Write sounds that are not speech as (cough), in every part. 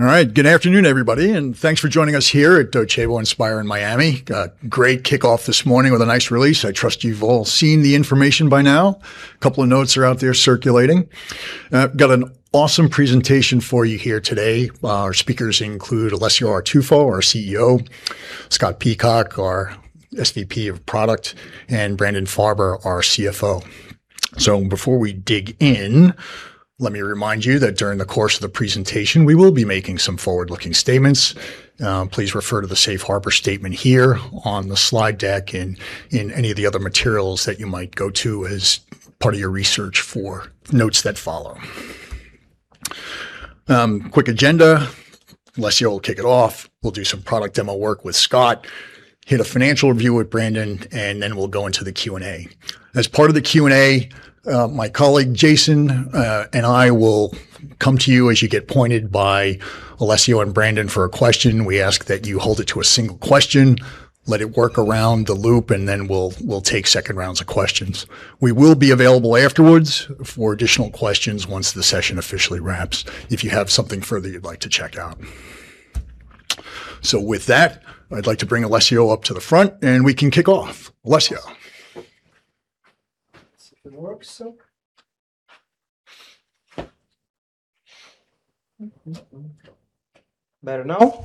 All right. Good afternoon, everybody, and thanks for joining us here at Docebo Inspire in Miami. Got great kickoff this morning with a nice release. I trust you've all seen the information by now. A couple of notes are out there circulating. Got an awesome presentation for you here today. Our speakers include Alessio Artuffo, our CEO, Scott Peacock, our SVP of product, and Brandon Farber, our CFO. Before we dig in, let me remind you that during the course of the presentation, we will be making some forward-looking statements. Please refer to the Safe Harbor statement here on the slide deck and in any of the other materials that you might go to as part of your research for notes that follow. Quick agenda. Alessio will kick it off. We'll do some product demo work with Scott, hit a financial review with Brandon, and then we'll go into the Q&A. As part of the Q&A, my colleague Jason and I will come to you as you get pointed by Alessio and Brandon for a question. We ask that you hold it to a single question, let it work around the loop, and then we'll take second rounds of questions. We will be available afterwards for additional questions once the session officially wraps if you have something further you'd like to check out. With that, I'd like to bring Alessio up to the front, and we can kick off. Alessio. (audio distortion) Better now?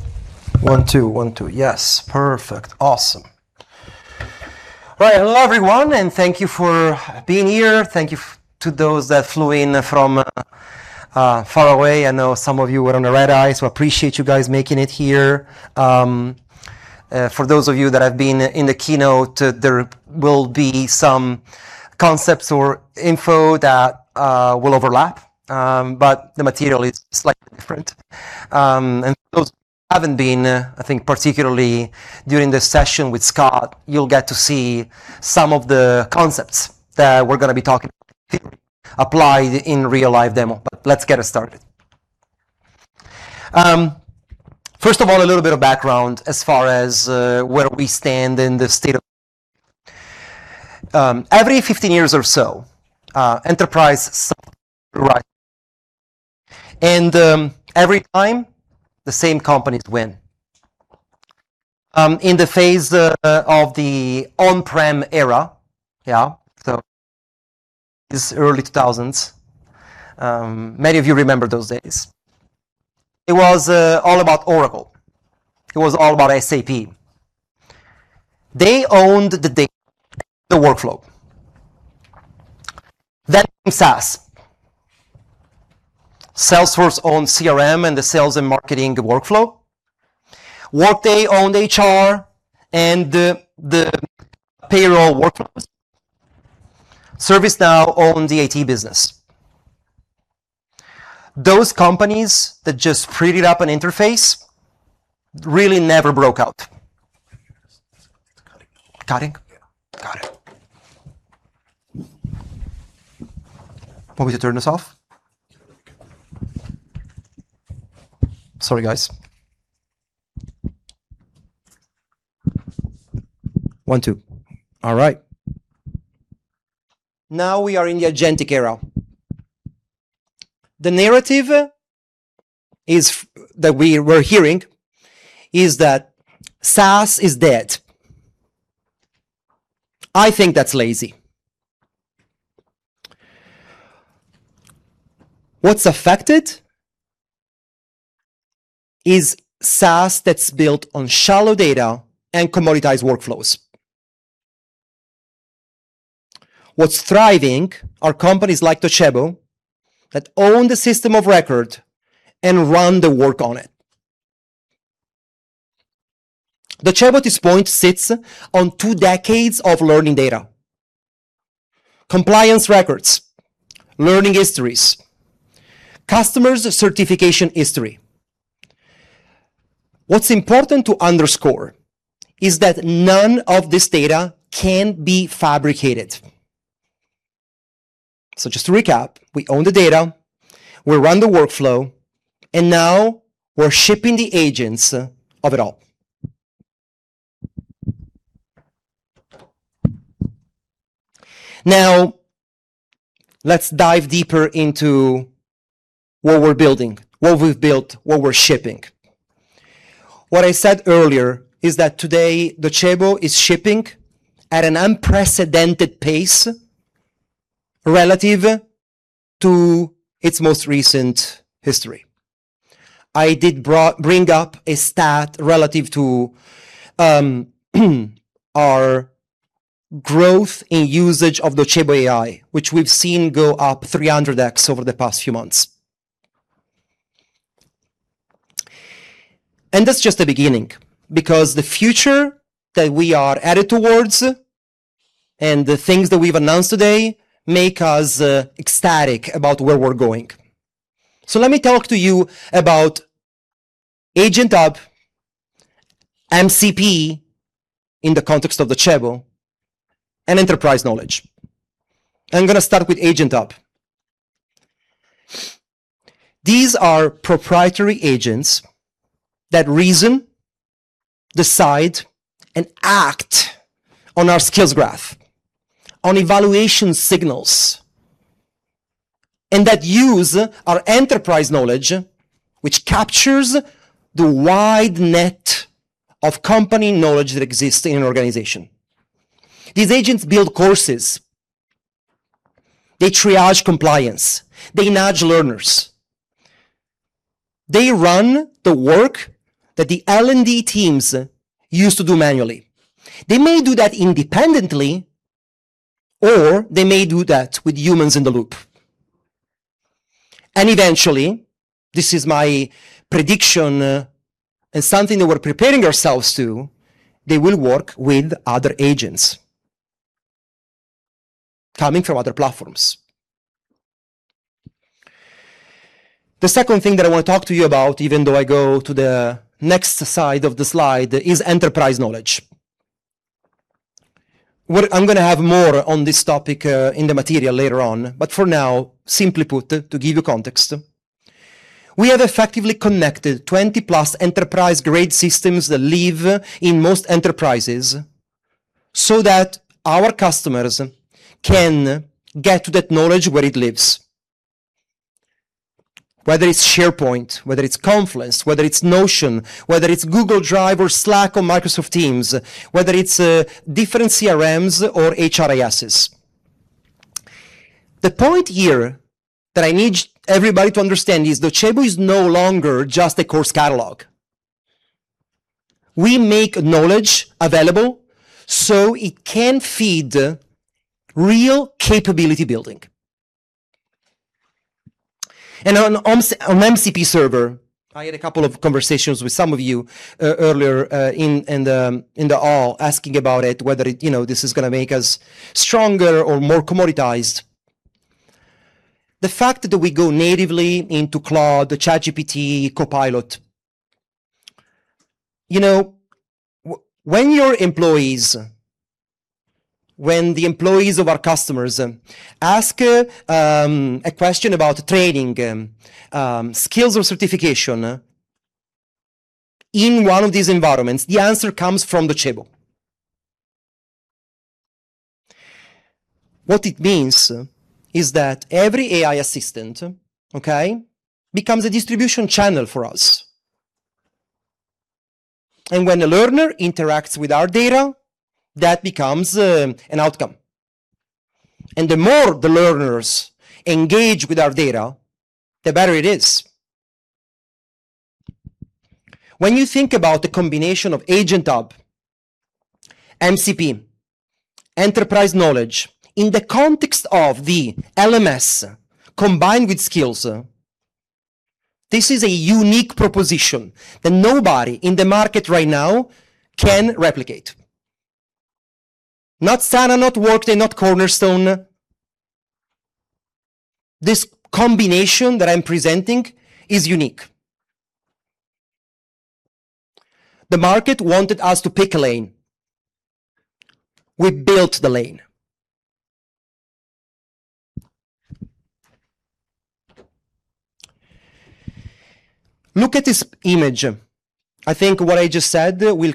One, two. One, two. Yes. Perfect. Awesome. All right. Hello, everyone, and thank you for being here. Thank you to those that flew in from far away. I know some of you were on the red eye, so appreciate you guys making it here. For those of you that have been in the keynote, there will be some concepts or info that will overlap. The material is slightly different. For those who haven't been, I think particularly during the session with Scott, you'll get to see some of the concepts that we're going to be talking about applied in real live demo. Let's get us started. First of all, a little bit of background as far as where we stand in the state of. Every 15 years or so, enterprise software rises. Every time, the same companies win. In the phase of the on-prem era, yeah, so this early 2000s. Many of you remember those days. It was all about Oracle. It was all about SAP. They owned the data, the workflow. Comes SaaS. Salesforce owned CRM and the sales and marketing workflow. Workday owned HR and the payroll workflows. ServiceNow owned the IT business. Those companies that just freed up an interface really never broke out. It's cutting. Cutting? Yeah. Got it. Want me to turn this off? Yeah. Sorry, guys. One, two. All right. Now we are in the agentic era. The narrative that we're hearing is that SaaS is dead. I think that's lazy. What's affected is SaaS that's built on shallow data and commoditized workflows. What's thriving are companies like Docebo that own the system of record and run the work on it. Docebo at this point sits on two decades of learning data, compliance records, learning histories, customers certification history. What's important to underscore is that none of this data can be fabricated. Just to recap, we own the data, we run the workflow, and now we're shipping the agents of it all. Now, let's dive deeper into what we're building, what we've built, what we're shipping. What I said earlier is that today Docebo is shipping at an unprecedented pace relative to its most recent history. I did bring up a stat relative to our growth in usage of Docebo AI, which we've seen go up 300x over the past few months. That's just the beginning, because the future that we are headed towards and the things that we've announced today make us ecstatic about where we're going. Let me talk to you about AgentHub, MCP in the context of Docebo, and Enterprise Knowledge. I'm going to start with AgentHub. These are proprietary agents that reason, decide and act on our skills graph, on evaluation signals, and that use our Enterprise Knowledge, which captures the wide net of company knowledge that exists in an organization. These agents build courses, they triage compliance, they nudge learners. They run the work that the L&D teams used to do manually. They may do that independently or they may do that with humans in the loop. Eventually, this is my prediction and something that we're preparing ourselves to, they will work with other agents coming from other platforms. The second thing that I want to talk to you about, even though I go to the next side of the slide, is Enterprise Knowledge. I'm going to have more on this topic in the material later on, but for now, simply put, to give you context, we have effectively connected 20+ enterprise-grade systems that live in most enterprises so that our customers can get to that knowledge where it lives. Whether it's SharePoint, whether it's Confluence, whether it's Notion, whether it's Google Drive or Slack or Microsoft Teams, whether it's different CRMs or HRISs. The point here that I need everybody to understand is Docebo is no longer just a course catalog. We make knowledge available so it can feed real capability building. On MCP server, I had a couple of conversations with some of you earlier in the hall asking about it, whether this is going to make us stronger or more commoditized. The fact that we go natively into Claude, ChatGPT, Copilot. When the employees of our customers ask a question about training, skills, or certification in one of these environments, the answer comes from Docebo. What it means is that every AI assistant, okay, becomes a distribution channel for us. When a learner interacts with our data, that becomes an outcome. The more the learners engage with our data, the better it is. When you think about the combination of AgentHub, MCP, Enterprise Knowledge in the context of the LMS combined with skills, this is a unique proposition that nobody in the market right now can replicate. Not Sana, not Workday, not Cornerstone. This combination that I'm presenting is unique. The market wanted us to pick a lane. We built the lane. Look at this image. I think what I just said will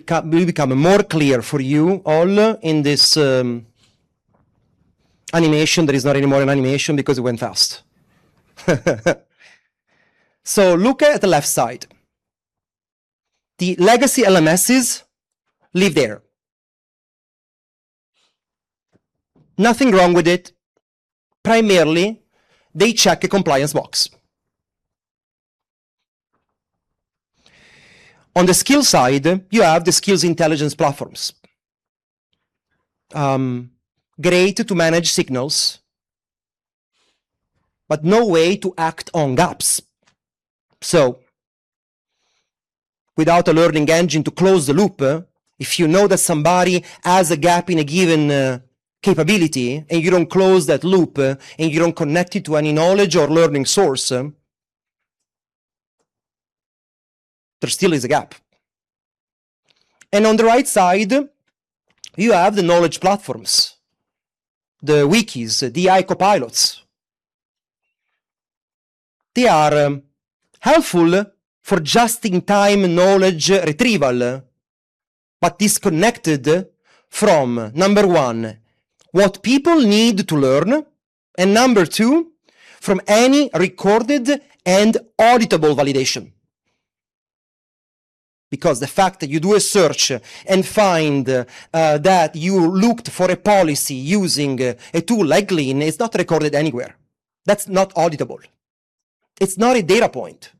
become more clear for you all in this animation that is not anymore an animation because it went fast. Look at the left side. The legacy LMSs live there. Nothing wrong with it. Primarily, they check a compliance box. On the skill side, you have the skills intelligence platforms. Great to manage signals, but no way to act on gaps. Without a learning engine to close the loop, if you know that somebody has a gap in a given capability, and you don't close that loop, and you don't connect it to any knowledge or learning source, there still is a gap. On the right side, you have the knowledge platforms, the wikis, the AI copilots. They are helpful for just-in-time knowledge retrieval, but disconnected from, number one, what people need to learn, and number two, from any recorded and auditable validation. Because the fact that you do a search and find that you looked for a policy using a tool like Glean is not recorded anywhere. That's not auditable. It's not a data point.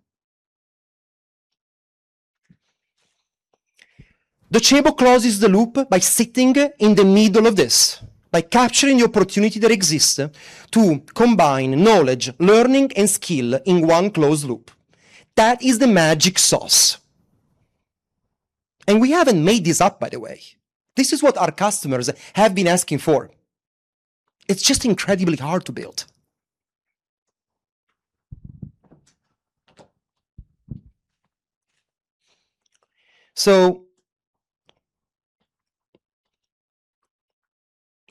Docebo closes the loop by sitting in the middle of this, by capturing the opportunity that exists to combine knowledge, learning, and skill in one closed loop. That is the magic sauce. We haven't made this up, by the way. This is what our customers have been asking for. It's just incredibly hard to build. So,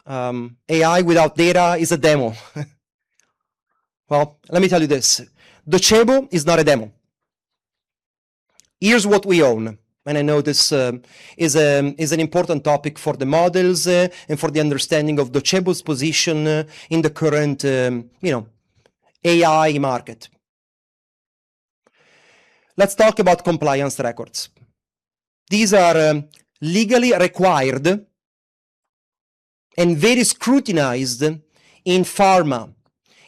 AI without data is a demo. Well, let me tell you this, Docebo is not a demo. Here's what we own, and I know this is an important topic for the models and for the understanding of Docebo's position in the current AI market. Let's talk about compliance records. These are legally required and very scrutinized in pharma,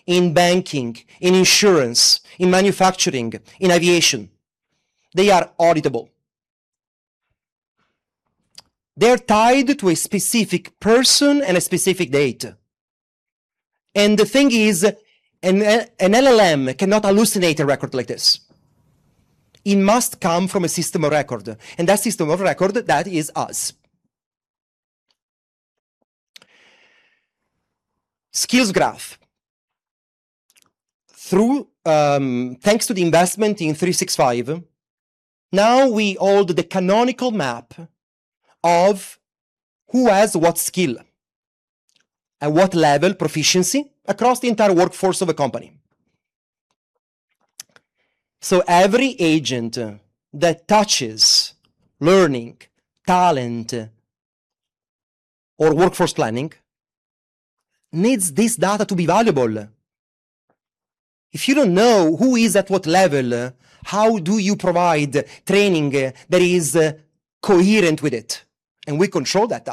in banking, in insurance, in manufacturing, in aviation. They are auditable. They're tied to a specific person and a specific date. The thing is, an LLM cannot hallucinate a record like this. It must come from a system of record, and that system of record, that is us. Skills graph. Thanks to the investment in 365, now we hold the canonical map of who has what skill at what level proficiency across the entire workforce of a company. Every agent that touches learning, talent, or workforce planning needs this data to be valuable. If you don't know who is at what level, how do you provide training that is coherent with it? We control that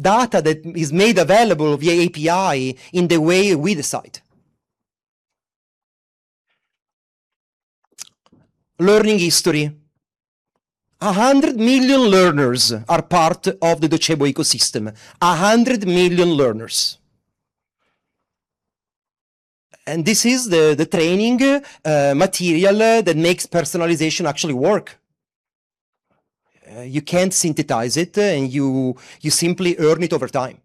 data that is made available via API in the way we decide. Learning history. 100 million learners are part of the Docebo ecosystem. This is the training material that makes personalization actually work. You can't synthesize it, and you simply earn it over time.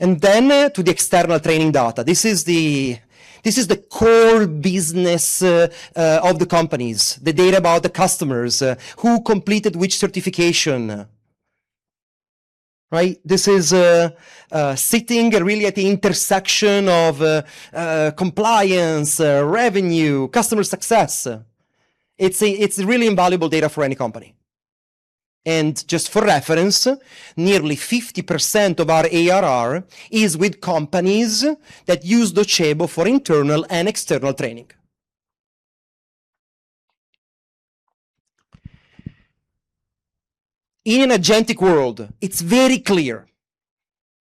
To the external training data. This is the core business of the companies, the data about the customers, who completed which certification. Right? This is sitting really at the intersection of compliance, revenue, customer success. It's really invaluable data for any company. Just for reference, nearly 50% of our ARR is with companies that use Docebo for internal and external training. In agentic world, it's very clear.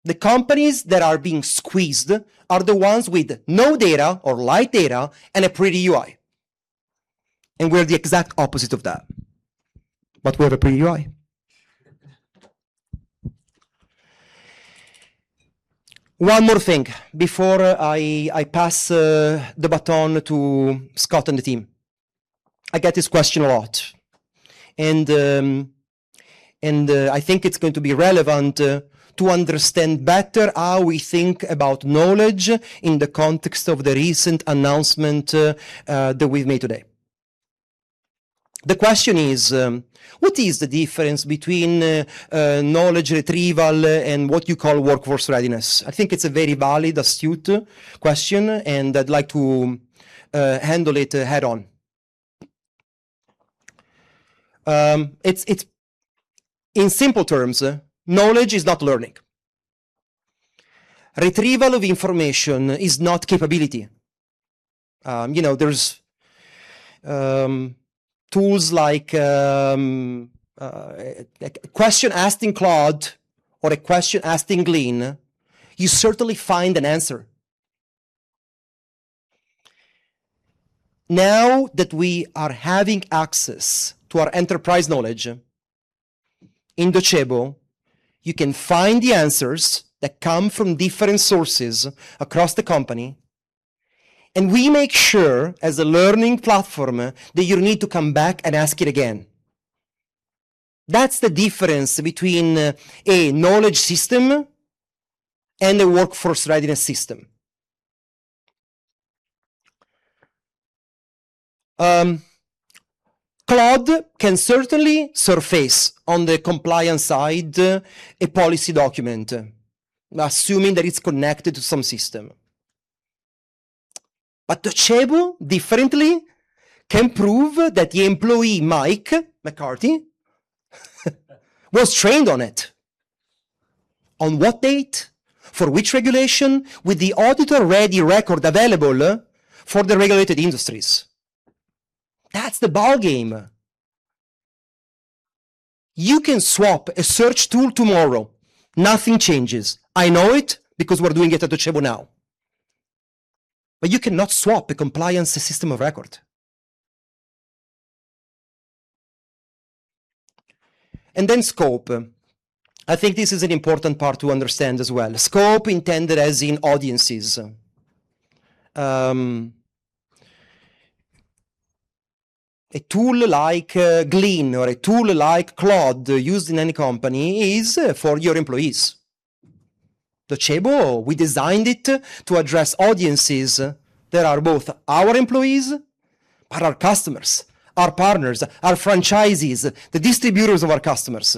The companies that are being squeezed are the ones with no data or light data and a pretty UI. We're the exact opposite of that. We have a pretty UI. One more thing before I pass the baton to Scott and the team. I get this question a lot, and I think it's going to be relevant to understand better how we think about knowledge in the context of the recent announcement that we've made today. The question is, what is the difference between knowledge retrieval and what you call workforce readiness? I think it's a very valid, astute question, and I'd like to handle it head-on. In simple terms, knowledge is not learning. Retrieval of information is not capability. There's tools like a question asked in Claude or a question asked in Glean, you certainly find an answer. Now that we are having access to our enterprise knowledge in Docebo, you can find the answers that come from different sources across the company, and we make sure as a learning platform that you need to come back and ask it again. That's the difference between a knowledge system and a workforce readiness system. Claude can certainly surface, on the compliance side, a policy document, assuming that it's connected to some system. Docebo differently can prove that the employee, Mike McCarthy, was trained on it. On what date, for which regulation, with the auditor-ready record available for the regulated industries. That's the ballgame. You can swap a search tool tomorrow. Nothing changes. I know it because we're doing it at Docebo now. You cannot swap a compliance system of record. Then scope. I think this is an important part to understand as well. Scope intended as in audiences. A tool like Glean or a tool like Claude used in any company is for your employees. Docebo, we designed it to address audiences that are both our employees, but our customers, our partners, our franchisees, the distributors of our customers.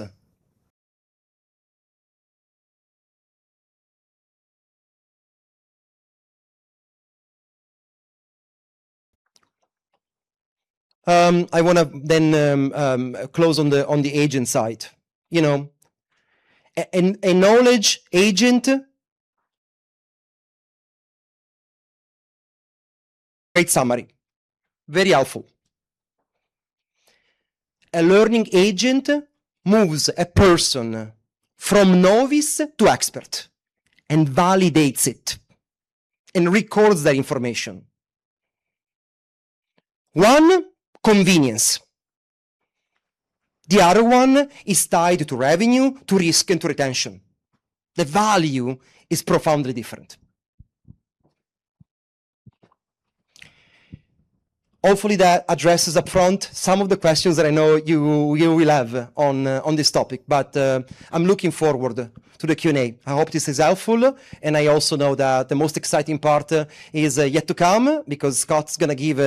I want to then close on the agent side. A knowledge agent. Great summary. Very helpful. A learning agent moves a person from novice to expert, and validates it, and records that information. One, convenience. The other one is tied to revenue, to risk, and to retention. The value is profoundly different. Hopefully, that addresses upfront some of the questions that I know you will have on this topic. I'm looking forward to the Q&A. I hope this is helpful, and I also know that the most exciting part is yet to come, because Scott's going to give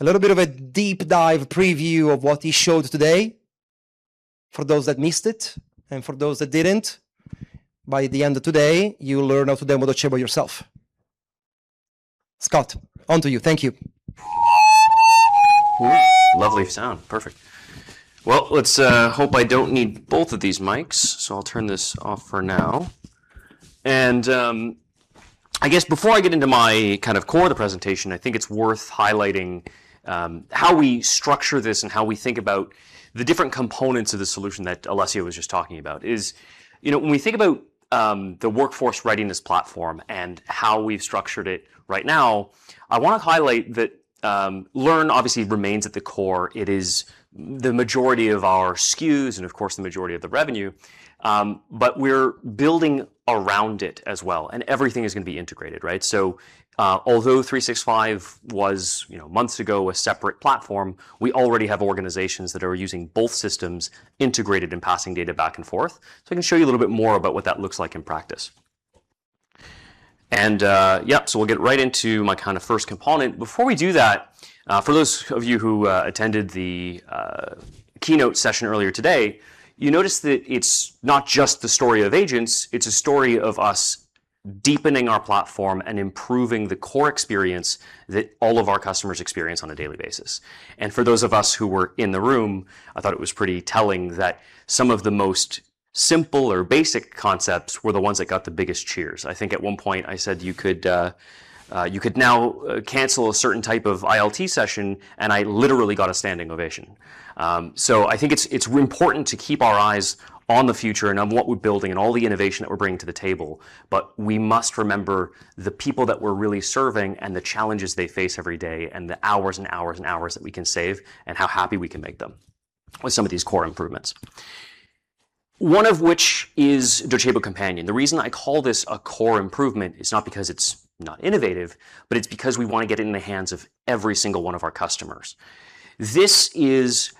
a little bit of a deep dive preview of what he showed today. For those that missed it, and for those that didn't, by the end of today, you'll learn how to demo Docebo yourself. Scott, on to you. Thank you. Lovely sound. Perfect. Well, let's hope I don't need both of these mics. I'll turn this off for now. I guess before I get into my kind of core of the presentation, I think it's worth highlighting how we structure this and how we think about the different components of the solution that Alessio was just talking about is, when we think about the workforce readiness platform and how we've structured it right now, I want to highlight that Learn obviously remains at the core. It is the majority of our SKUs and, of course, the majority of the revenue. We're building around it as well, and everything is going to be integrated, right? Although 365 was months ago a separate platform, we already have organizations that are using both systems integrated and passing data back and forth. I can show you a little bit more about what that looks like in practice. Yeah. We'll get right into my kind of first component. Before we do that, for those of you who attended the keynote session earlier today, you notice that it's not just the story of agents, it's a story of us deepening our platform and improving the core experience that all of our customers experience on a daily basis. For those of us who were in the room, I thought it was pretty telling that some of the most simple or basic concepts were the ones that got the biggest cheers. I think at one point I said you could now cancel a certain type of ILT session, and I literally got a standing ovation. I think it's important to keep our eyes on the future and on what we're building and all the innovation that we're bringing to the table. We must remember the people that we're really serving and the challenges they face every day, and the hours and hours and hours that we can save, and how happy we can make them with some of these core improvements. One of which is Docebo Companion. The reason I call this a core improvement is not because it's not innovative, but it's because we want to get it in the hands of every single one of our customers. This is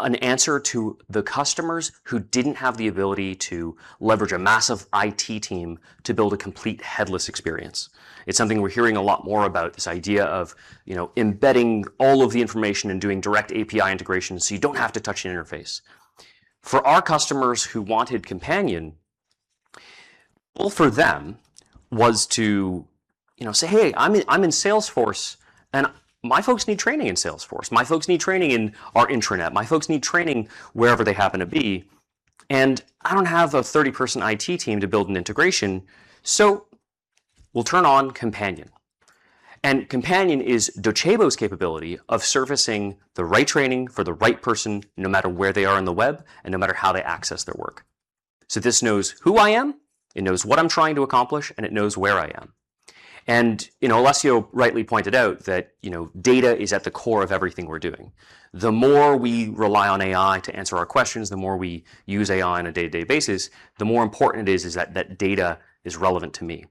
an answer to the customers who didn't have the ability to leverage a massive IT team to build a complete headless experience. It's something we're hearing a lot more about, this idea of embedding all of the information and doing direct API integration, so you don't have to touch an interface. For our customers who wanted Companion, all for them was to say, "Hey, I'm in Salesforce, and my folks need training in Salesforce. My folks need training in our intranet. My folks need training wherever they happen to be, and I don't have a 30-person IT team to build an integration, so we'll turn on Companion." Companion is Docebo's capability of servicing the right training for the right person, no matter where they are on the web, and no matter how they access their work. This knows who I am, it knows what I'm trying to accomplish, and it knows where I am. Alessio rightly pointed out that data is at the core of everything we're doing. The more we rely on AI to answer our questions, the more we use AI on a day-to-day basis, the more important it is that that data is relevant to me.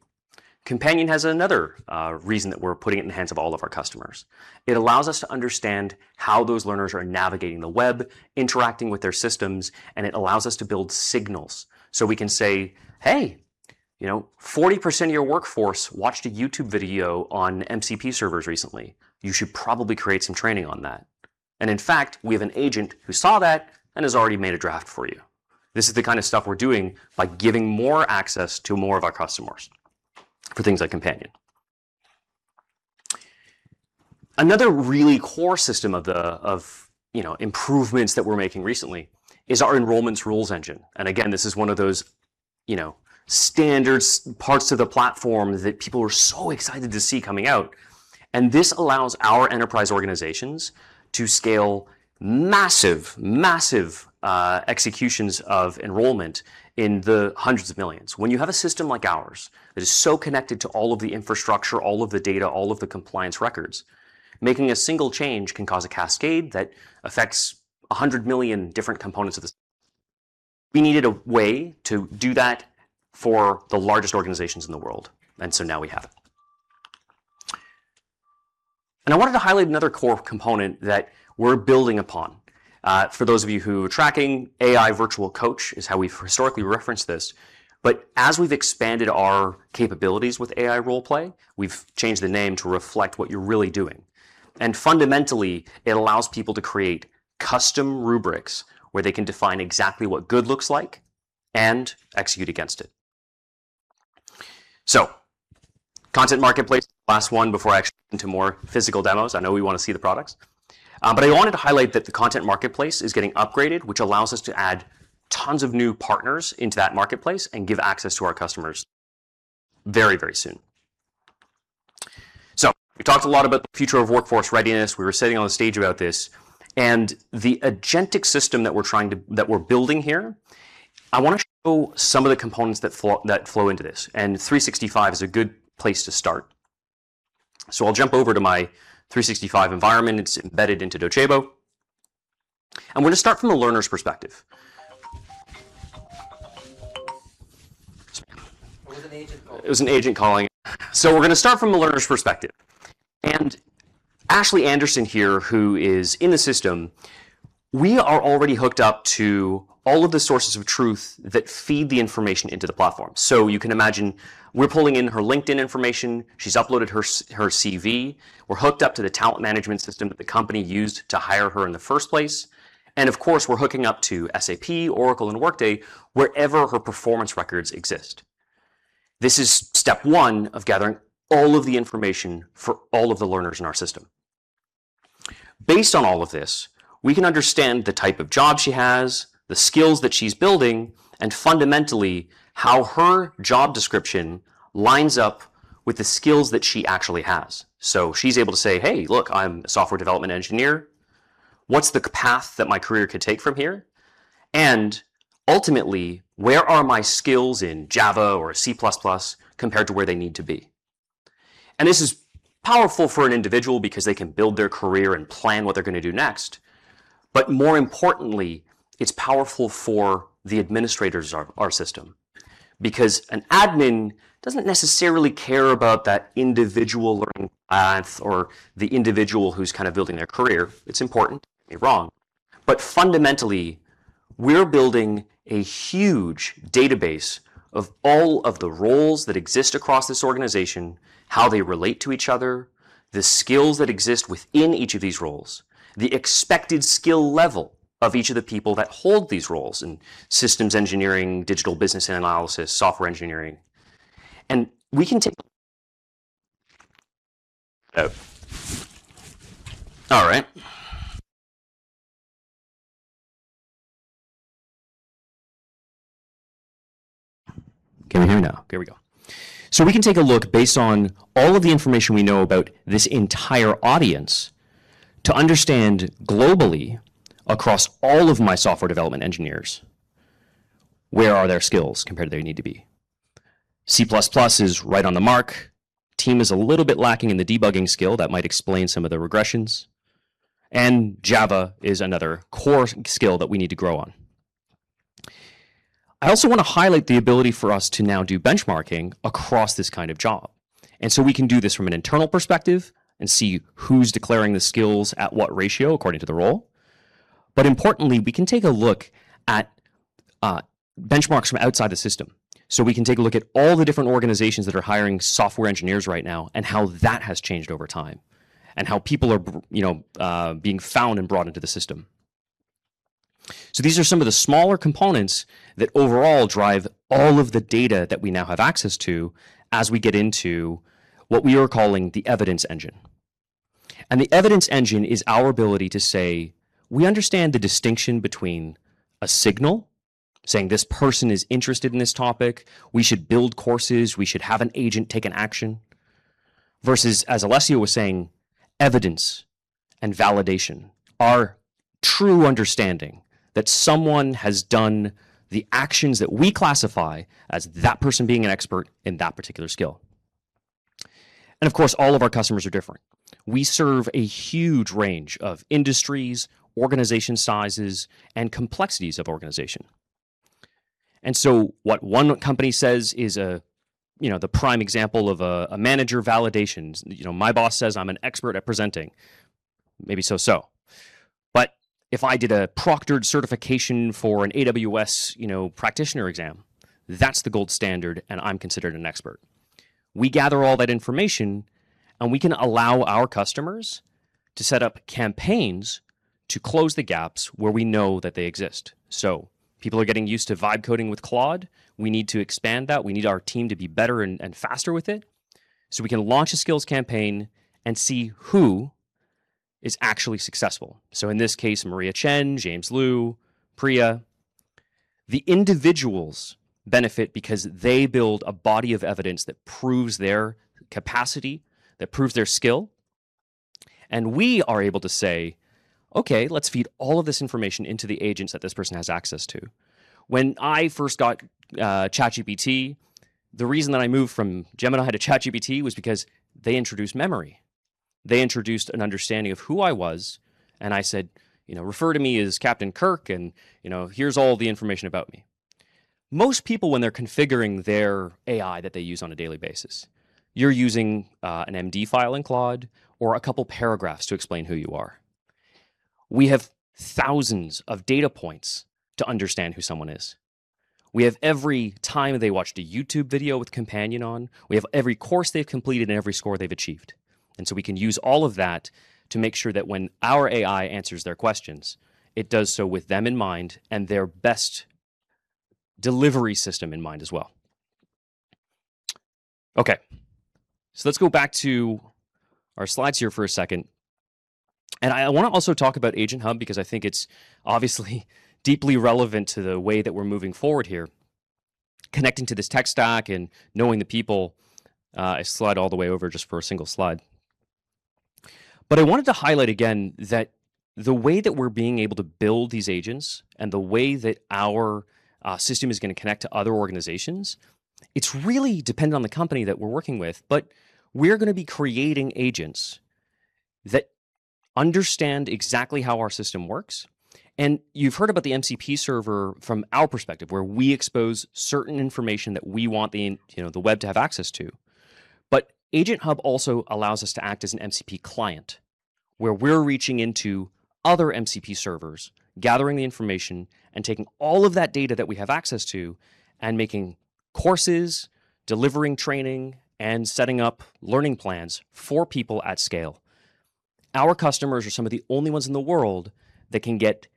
Companion has another reason that we're putting it in the hands of all of our customers. It allows us to understand how those learners are navigating the web, interacting with their systems, and it allows us to build signals. We can say, "Hey, 40% of your workforce watched a YouTube video on MCP servers recently. You should probably create some training on that." In fact, we have an agent who saw that and has already made a draft for you. This is the kind of stuff we're doing by giving more access to more of our customers for things like Companion. Another really core system of improvements that we're making recently is our enrollments rules engine. Again, this is one of those standard parts of the platform that people were so excited to see coming out. This allows our enterprise organizations to scale massive executions of enrollment in the hundreds of millions. When you have a system like ours that is so connected to all of the infrastructure, all of the data, all of the compliance records, making a single change can cause a cascade that affects 100 million different components. We needed a way to do that for the largest organizations in the world, and so now we have it. I wanted to highlight another core component that we're building upon. For those of you who are tracking, AI Virtual Coach is how we've historically referenced this, but as we've expanded our capabilities with AI Role Play, we've changed the name to reflect what you're really doing. Fundamentally, it allows people to create custom rubrics where they can define exactly what good looks like and execute against it. Content Marketplace, last one before I actually get into more physical demos. I know we want to see the products. I wanted to highlight that the Content Marketplace is getting upgraded, which allows us to add tons of new partners into that marketplace and give access to our customers very, very soon. We talked a lot about the future of workforce readiness. We were sitting on the stage about this and the agentic system that we're building here. I want to show some of the components that flow into this, and 365 is a good place to start. I'll jump over to my 365 environment. It's embedded into Docebo, and we're going to start from a learner's perspective. It was an agent calling. It was an agent calling. We're going to start from a learner's perspective. Ashley Anderson here, who is in the system, we are already hooked up to all of the sources of truth that feed the information into the platform. You can imagine we're pulling in her LinkedIn information. She's uploaded her CV. We're hooked up to the talent management system that the company used to hire her in the first place. Of course, we're hooking up to SAP, Oracle, and Workday wherever her performance records exist. This is step one of gathering all of the information for all of the learners in our system. Based on all of this, we can understand the type of job she has, the skills that she's building, and fundamentally, how her job description lines up with the skills that she actually has. She's able to say, "Hey, look, I'm a software development engineer. What's the path that my career could take from here? And ultimately, where are my skills in Java or C++ compared to where they need to be?" This is powerful for an individual because they can build their career and plan what they're going to do next. More importantly, it's powerful for the administrators of our system because an admin doesn't necessarily care about that individual learning path or the individual who's kind of building their career. It's important. Don't get me wrong. Fundamentally, we're building a huge database of all of the roles that exist across this organization, how they relate to each other, the skills that exist within each of these roles, the expected skill level of each of the people that hold these roles in systems engineering, digital business analysis, software engineering. We can take a look based on all of the information we know about this entire audience to understand globally across all of my software development engineers, where are their skills compared to where they need to be. C++ is right on the mark. Teams is a little bit lacking in the debugging skill. That might explain some of the regressions. Java is another core skill that we need to grow on. I also want to highlight the ability for us to now do benchmarking across this kind of job. We can do this from an internal perspective and see who's declaring the skills at what ratio according to the role. Importantly, we can take a look at benchmarks from outside the system. We can take a look at all the different organizations that are hiring software engineers right now and how that has changed over time, and how people are being found and brought into the system. These are some of the smaller components that overall drive all of the data that we now have access to as we get into what we are calling the evidence engine. The evidence engine is our ability to say we understand the distinction between a signal saying this person is interested in this topic, we should build courses, we should have an agent take an action, versus as Alessio was saying, evidence and validation are true understanding that someone has done the actions that we classify as that person being an expert in that particular skill. Of course, all of our customers are different. We serve a huge range of industries, organization sizes, and complexities of organization. What one company says is the prime example of a manager validation. My boss says I'm an expert at presenting. Maybe so. If I did a proctored certification for an AWS practitioner exam, that's the gold standard and I'm considered an expert. We gather all that information, and we can allow our customers to set up campaigns to close the gaps where we know that they exist. People are getting used to vibe coding with Claude. We need to expand that. We need our team to be better and faster with it so we can launch a skills campaign and see who is actually successful. In this case, Maria Chen, James Liu, Priya. The individuals benefit because they build a body of evidence that proves their capacity, that proves their skill, and we are able to say, "Okay, let's feed all of this information into the agents that this person has access to." When I first got ChatGPT, the reason that I moved from Gemini to ChatGPT was because they introduced memory. They introduced an understanding of who I was, and I said, "Refer to me as Captain Kirk, and here's all the information about me." Most people when they're configuring their AI that they use on a daily basis, you're using an MD file in Claude or a couple paragraphs to explain who you are. We have thousands of data points to understand who someone is. We have every time they watched a YouTube video with Companion on. We have every course they've completed and every score they've achieved. We can use all of that to make sure that when our AI answers their questions, it does so with them in mind and their best delivery system in mind as well. Okay. Let's go back to our slides here for a second. I want to also talk about AgentHub because I think it's obviously deeply relevant to the way that we're moving forward here, connecting to this tech stack and knowing the people. I'll slide all the way over just for a single slide. I wanted to highlight again that the way that we're being able to build these agents and the way that our system is going to connect to other organizations, it's really dependent on the company that we're working with, but we're going to be creating agents that understand exactly how our system works. You've heard about the MCP server from our perspective, where we expose certain information that we want the web to have access to. AgentHub also allows us to act as an MCP client, where we're reaching into other MCP servers, gathering the information, and taking all of that data that we have access to and making courses, delivering training, and setting up learning plans for people at scale. Our customers are some of the only ones in the world that can get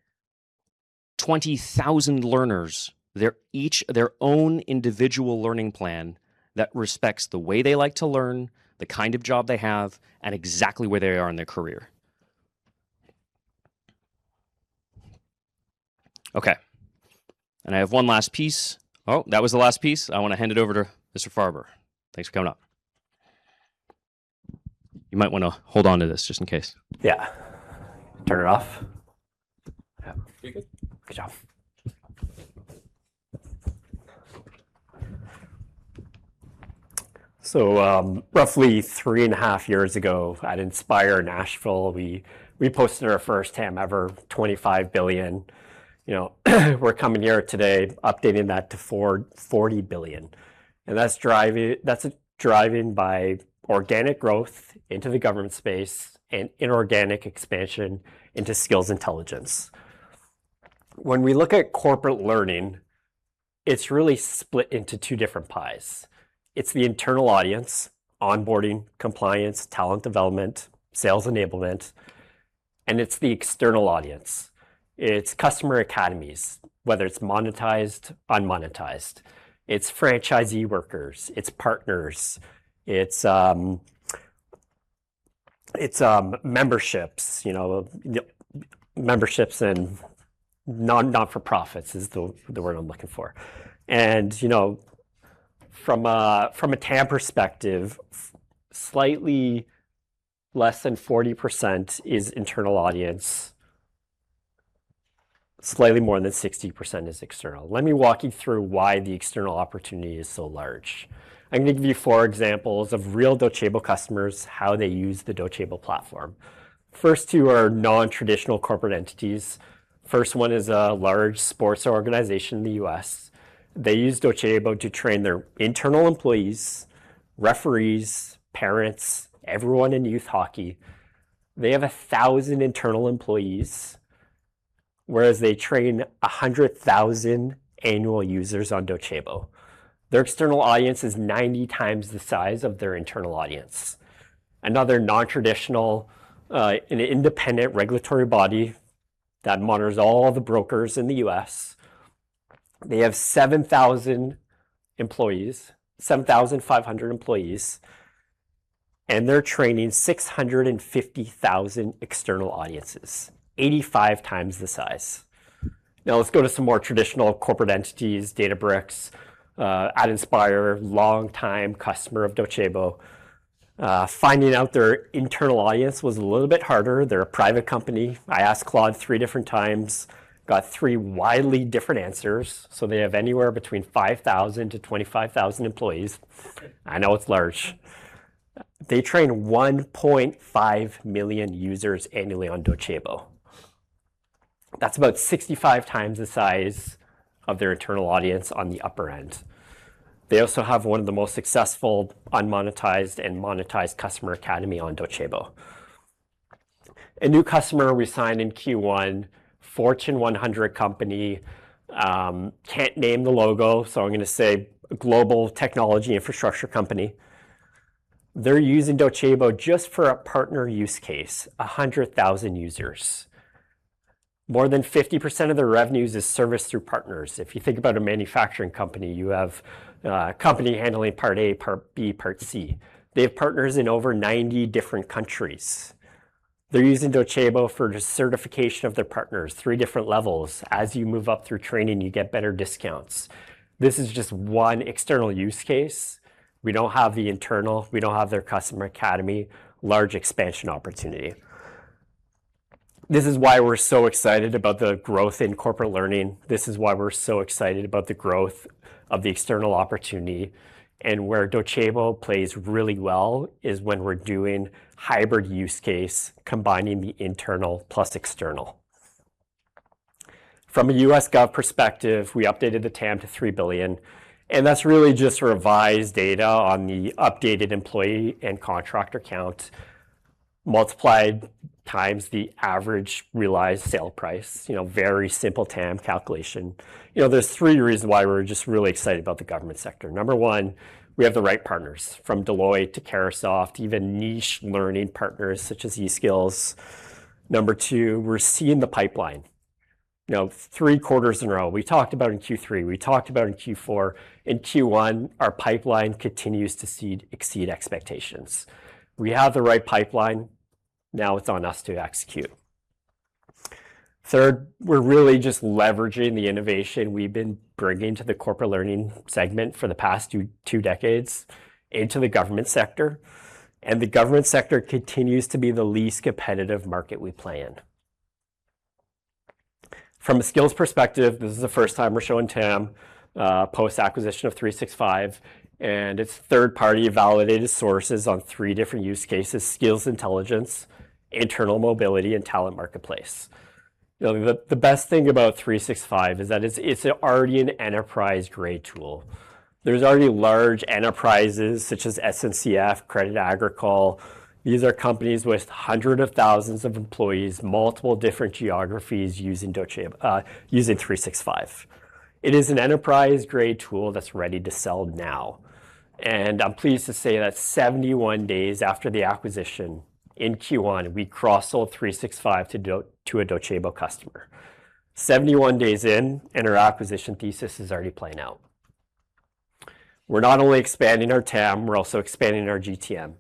20,000 learners their own individual learning plan that respects the way they like to learn, the kind of job they have, and exactly where they are in their career. Okay. I have one last piece. Oh, that was the last piece. I want to hand it over to Mr. Farber. Thanks for coming up. You might want to hold on to this just in case. Yeah. Turn it off? Yeah. You're good. Good job. Roughly 3.5 years ago at Inspire Nashville, we posted our first TAM ever, $25 billion. We're coming here today updating that to $40 billion. That's driven by organic growth into the government space and inorganic expansion into skills intelligence. When we look at corporate learning, it's really split into two different pies. It's the internal audience, onboarding, compliance, talent development, sales enablement, and it's the external audience. It's customer academies, whether it's monetized, unmonetized. It's franchisee workers. It's partners. It's memberships and not-for-profits is the word I'm looking for. From a TAM perspective, slightly less than 40% is internal audience. Slightly more than 60% is external. Let me walk you through why the external opportunity is so large. I'm going to give you four examples of real Docebo customers, how they use the Docebo platform. First two are non-traditional corporate entities. First one is a large sports organization in the U.S. They use Docebo to train their internal employees, referees, parents, everyone in youth hockey. They have 1,000 internal employees, whereas they train 100,000 annual users on Docebo. Their external audience is 90 times the size of their internal audience. Another non-traditional, an independent regulatory body that monitors all the brokers in the U.S. They have 7,500 employees, and they're training 650,000 external audiences, 85 times the size. Now let's go to some more traditional corporate entities. Databricks, at Inspire, long time customer of Docebo. Finding out their internal audience was a little bit harder. They're a private company. I asked Claude three different times, got three widely different answers. They have anywhere between 5,000-25,000 employees. I know it's large. They train 1.5 million users annually on Docebo. That's about 65 times the size of their internal audience on the upper end. They also have one of the most successful unmonetized and monetized customer academy on Docebo. A new customer we signed in Q1, Fortune 100 company. Can't name the logo, so I'm going to say global technology infrastructure company. They're using Docebo just for a partner use case, 100,000 users. More than 50% of their revenues is serviced through partners. If you think about a manufacturing company, you have a company handling part A, part B, part C. They have partners in over 90 different countries. They're using Docebo for just certification of their partners, three different levels. As you move up through training, you get better discounts. This is just one external use case. We don't have the internal. We don't have their customer academy. Large expansion opportunity. This is why we're so excited about the growth in corporate learning. This is why we're so excited about the growth of the external opportunity, and where Docebo plays really well is when we're doing hybrid use case, combining the internal plus external. From a U.S. Gov perspective, we updated the TAM to $3 billion, and that's really just revised data on the updated employee and contractor count multiplied times the average realized sale price. Very simple TAM calculation. There's three reasons why we're just really excited about the government sector. Number one, we have the right partners, from Deloitte to Carahsoft, even niche learning partners such as eSkills. Number two, we're seeing the pipeline now three quarters in a row. We talked about in Q3, we talked about in Q4. In Q1, our pipeline continues to exceed expectations. We have the right pipeline. Now it's on us to execute. Third, we're really just leveraging the innovation we've been bringing to the corporate learning segment for the past two decades into the government sector, and the government sector continues to be the least competitive market we play in. From a skills perspective, this is the first time we're showing TAM, post-acquisition of 365, and it's third-party validated sources on three different use cases: skills intelligence, internal mobility, and talent marketplace. The best thing about 365 is that it's already an enterprise-grade tool. There's already large enterprises such as SNCF, Crédit Agricole. These are companies with hundreds of thousands of employees, multiple different geographies using 365. It is an enterprise-grade tool that's ready to sell now. I'm pleased to say that 71 days after the acquisition, in Q1, we cross-sold 365 to a Docebo customer. 71 days in, and our acquisition thesis is already playing out. We're not only expanding our TAM, we're also expanding our GTM.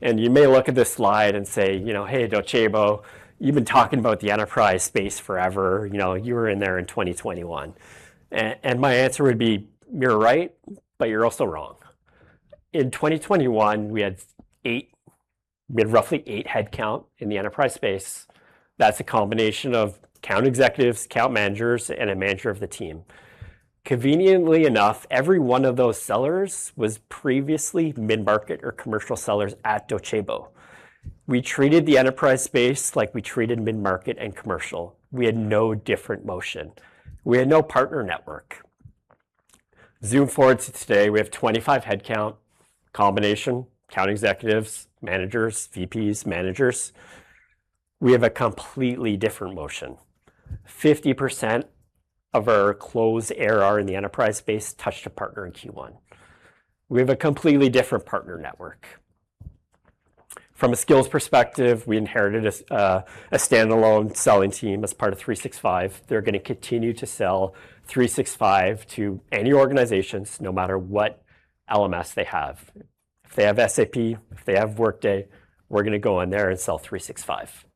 You may look at this slide and say, "Hey, Docebo, you've been talking about the enterprise space forever. You were in there in 2021." My answer would be, "You're right, but you're also wrong." In 2021, we had roughly 8 headcount in the enterprise space. That's a combination of account executives, account managers, and a manager of the team. Conveniently enough, every one of those sellers was previously mid-market or commercial sellers at Docebo. We treated the enterprise space like we treated mid-market and commercial. We had no different motion. We had no partner network. Zoom forward to today, we have 25 headcount, combination, account executives, managers, VPs, managers. We have a completely different motion. 50% of our closed ARR in the enterprise space touched a partner in Q1. We have a completely different partner network. From a skills perspective, we inherited a standalone selling team as part of 365. They're going to continue to sell 365 to any organizations, no matter what LMS they have. If they have SAP, if they have Workday, we're going to go in there and sell 365.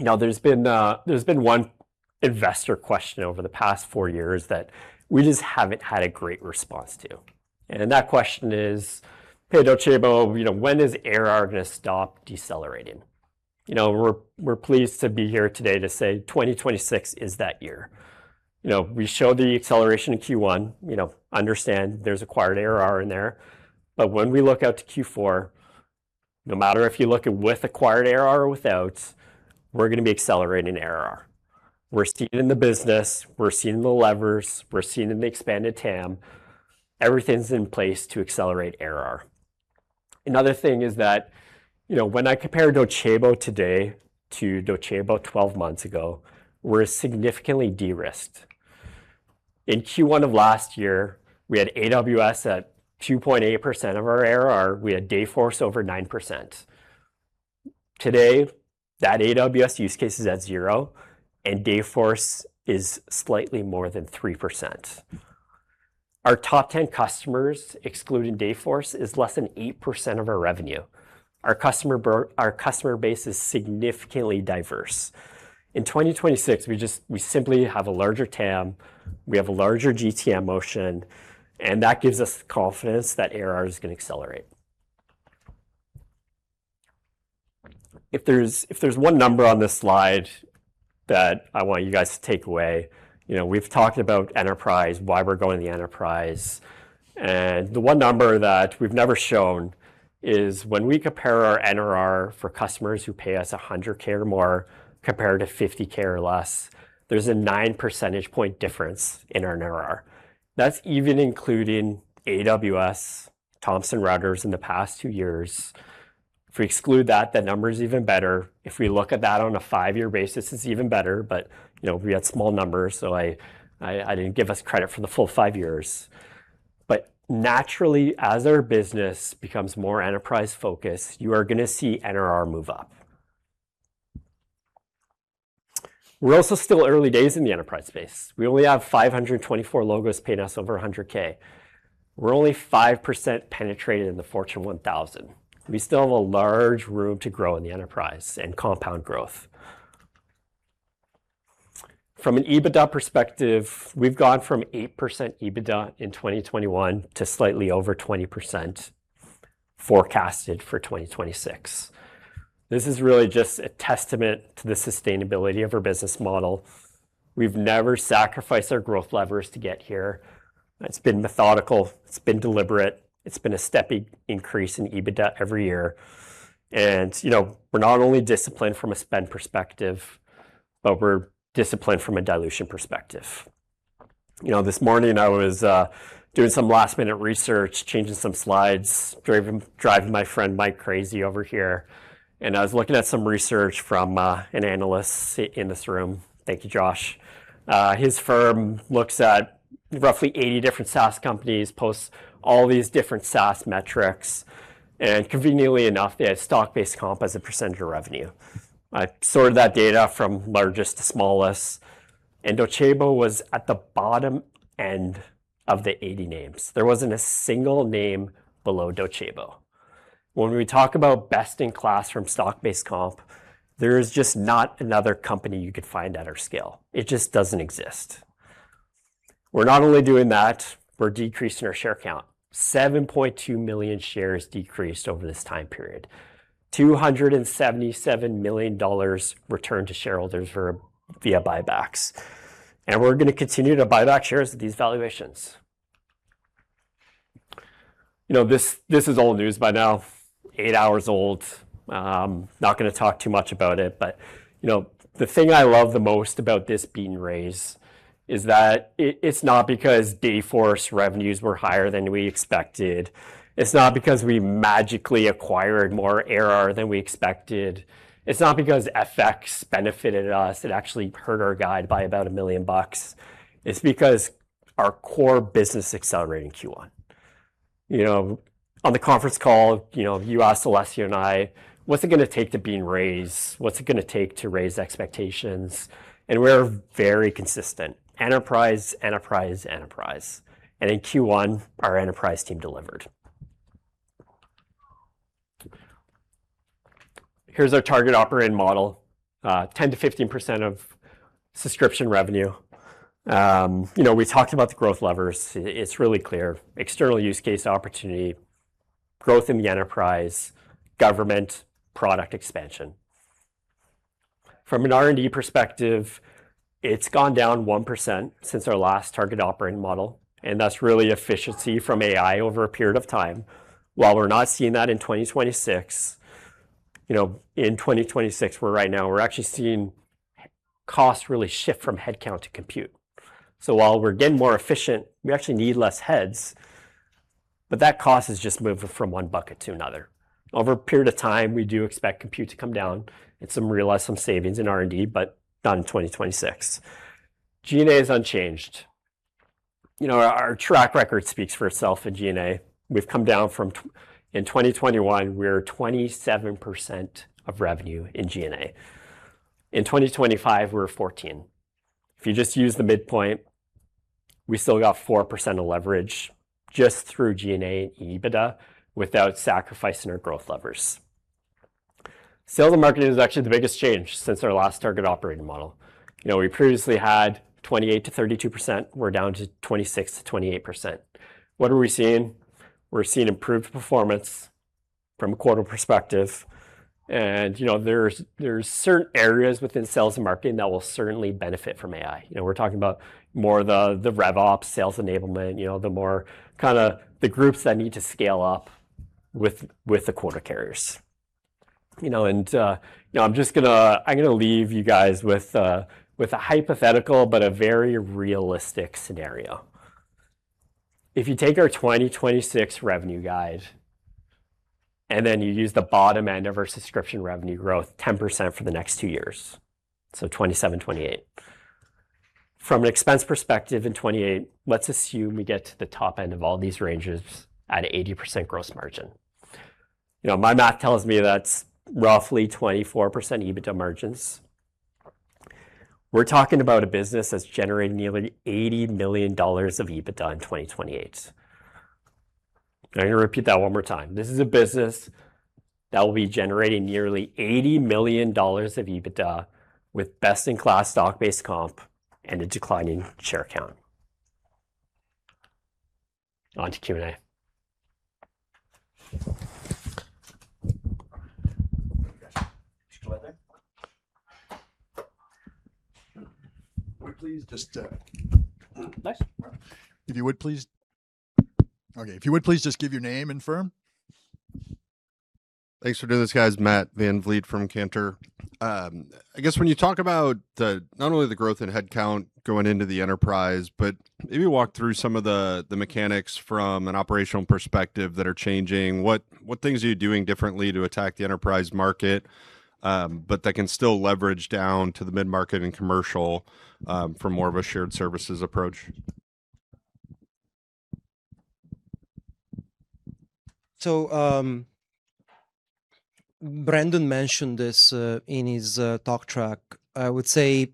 Now, there's been one investor question over the past four years that we just haven't had a great response to. That question is, "Hey, Docebo, when is ARR going to stop decelerating?" We're pleased to be here today to say 2026 is that year. We showed the acceleration in Q1. Understand there's acquired ARR in there. When we look out to Q4, no matter if you look at with acquired ARR or without, we're going to be accelerating ARR. We're seeing it in the business, we're seeing the levers, we're seeing it in the expanded TAM. Everything's in place to accelerate ARR. Another thing is that, when I compare Docebo today to Docebo 12 months ago, we're significantly de-risked. In Q1 of last year, we had AWS at 2.8% of our ARR. We had Dayforce over 9%. Today, that AWS use case is at zero, and Dayforce is slightly more than 3%. Our top 10 customers, excluding Dayforce, is less than 8% of our revenue. Our customer base is significantly diverse. In 2026, we simply have a larger TAM, we have a larger GTM motion, and that gives us confidence that ARR is going to accelerate. If there's one number on this slide that I want you guys to take away, we've talked about enterprise, why we're going the enterprise, and the one number that we've never shown is when we compare our NRR for customers who pay us $100,000 or more compared to $50,000 or less, there's a nine percentage point difference in our NRR. That's even including AWS, Thomson Reuters in the past two years. If we exclude that, the number's even better. If we look at that on a five-year basis, it's even better. But we had small numbers, so I didn't give us credit for the full five years. But naturally, as our business becomes more enterprise-focused, you are going to see NRR move up. We're also still early days in the enterprise space. We only have 524 logos paying us over $100,000. We're only 5% penetrated in the Fortune 1000. We still have a large room to grow in the enterprise and compound growth. From an EBITDA perspective, we've gone from 8% EBITDA in 2021 to slightly over 20% forecasted for 2026. This is really just a testament to the sustainability of our business model. We've never sacrificed our growth levers to get here. It's been methodical. It's been deliberate. It's been a stepping increase in EBITDA every year. We're not only disciplined from a spend perspective, but we're disciplined from a dilution perspective. This morning, I was doing some last-minute research, changing some slides, driving my friend Mike crazy over here, and I was looking at some research from an analyst in this room. Thank you, Josh. His firm looks at roughly 80 different SaaS companies, posts all these different SaaS metrics, and conveniently enough, they had stock-based comp as a percentage of revenue. I sorted that data from largest to smallest, and Docebo was at the bottom end of the 80 names. There wasn't a single name below Docebo. When we talk about best-in-class from stock-based comp, there is just not another company you could find at our scale. It just doesn't exist. We're not only doing that, we're decreasing our share count. 7.2 million shares decreased over this time period. $277 million returned to shareholders via buybacks. We're going to continue to buy back shares at these valuations. This is old news by now, eight hours old. I'm not going to talk too much about it, but the thing I love the most about this being raised is that it's not because Dayforce revenues were higher than we expected. It's not because we magically acquired more ARR than we expected. It's not because FX benefited us. It actually hurt our guidance by about $1 million. It's because our core business accelerated in Q1. On the conference call, you asked Alessio and I, "What's it going to take to be raised? What's it going to take to raise expectations?" We're very consistent. Enterprise. In Q1, our enterprise team delivered. Here's our target operating model. 10%-15% of subscription revenue. We talked about the growth levers. It's really clear. External use case opportunity, growth in the enterprise, government product expansion. From an R&D perspective, it's gone down 1% since our last target operating model, and that's really efficiency from AI over a period of time. While we're not seeing that in 2026, right now, we're actually seeing costs really shift from headcount to compute. While we're getting more efficient, we actually need less heads, but that cost is just moving from one bucket to another. Over a period of time, we do expect compute to come down and realize some savings in R&D, but not in 2026. G&A is unchanged. Our track record speaks for itself in G&A. We've come down from 27% of revenue in G&A in 2021. In 2025, we're 14%. If you just use the midpoint, we still got 4% leverage just through G&A and EBITDA without sacrificing our growth levers. Sales and marketing is actually the biggest change since our last target operating model. We previously had 28%-32%, we're down to 26%-28%. What are we seeing? We're seeing improved performance from a quarter perspective, and there's certain areas within sales and marketing that will certainly benefit from AI. We're talking about more the RevOps, sales enablement, the groups that need to scale up with the quota carriers. I'm going to leave you guys with a hypothetical but a very realistic scenario. If you take our 2026 revenue guide, and then you use the bottom end of our subscription revenue growth, 10% for the next two years, so 2027, 2028. From an expense perspective in 2028, let's assume we get to the top end of all these ranges at 80% gross margin. My math tells me that's roughly 24% EBITDA margins. We're talking about a business that's generating nearly $80 million of EBITDA in 2028. I'm going to repeat that one more time. This is a business that will be generating nearly $80 million of EBITDA with best-in-class stock-based comp and a declining share count. On to Q&A. Just go right there. Would you please just- Next If you would please just give your name and firm. Thanks for doing this, guys. Matt VanVliet from Cantor. I guess when you talk about not only the growth in head count going into the enterprise, but maybe walk through some of the mechanics from an operational perspective that are changing. What things are you doing differently to attack the enterprise market, but that can still leverage down to the mid-market and commercial for more of a shared services approach? Brandon mentioned this in his talk track. I would say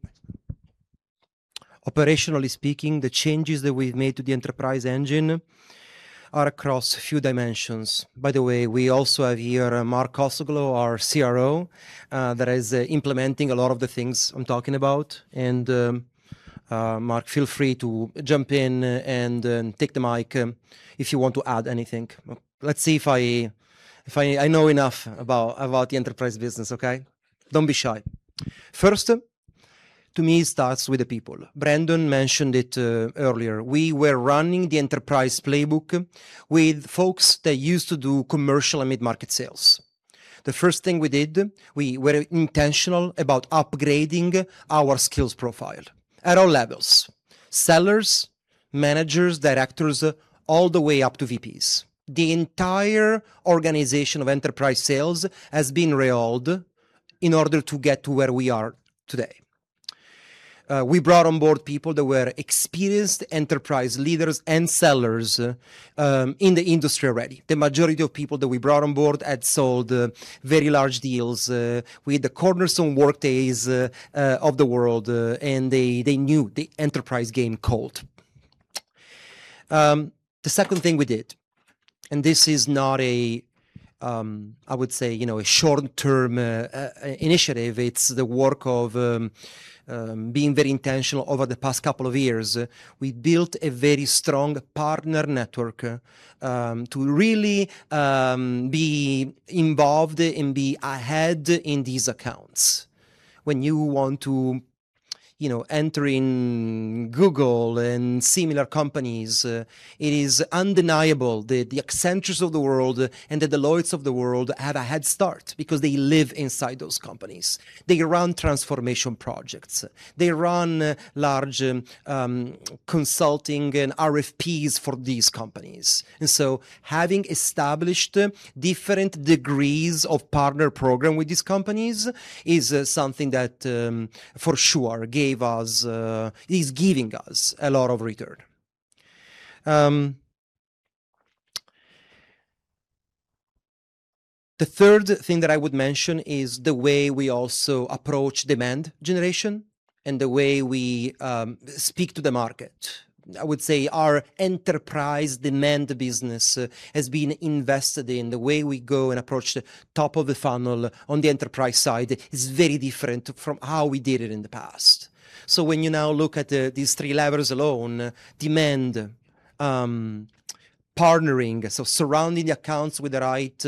operationally speaking, the changes that we've made to the enterprise engine are across a few dimensions. By the way, we also have here Mark Kosoglow, our CRO, that is implementing a lot of the things I'm talking about. Mark, feel free to jump in and take the mic if you want to add anything. Let's see if I know enough about the enterprise business, okay? Don't be shy. First, to me, it starts with the people. Brandon mentioned it earlier. We were running the enterprise playbook with folks that used to do commercial and mid-market sales. The first thing we did, we were intentional about upgrading our skills profile at all levels, sellers, managers, directors, all the way up to VPs. The entire organization of enterprise sales has been rebuilt in order to get to where we are today. We brought on board people that were experienced enterprise leaders and sellers in the industry already. The majority of people that we brought on board had sold very large deals with the Cornerstone, Workday's of the world, and they knew the enterprise game cold. The second thing we did, and this is not a, I would say, a short-term initiative. It's the work of being very intentional over the past couple of years. We built a very strong partner network to really be involved and be ahead in these accounts. When you want to enter in Google and similar companies, it is undeniable that the Accenture of the world and the Deloitte of the world have a head start because they live inside those companies. They run transformation projects. They run large consulting and RFPs for these companies. Having established different degrees of partner program with these companies is something that, for sure, is giving us a lot of return. The third thing that I would mention is the way we also approach demand generation and the way we speak to the market. I would say our enterprise demand business has been invested in. The way we go and approach the top of the funnel on the enterprise side is very different from how we did it in the past. When you now look at these three levers alone, demand, partnering, so surrounding the accounts with the right